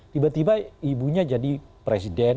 tiba tiba ibunya jadi presiden